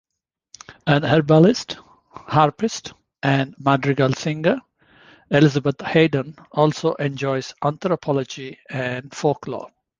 An herbalist, harpist, and madrigal singer, Elizabeth Haydon also enjoys anthropology and folklore.